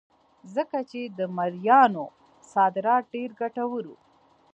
ځکه چې د مریانو صادرات ډېر ګټور وو.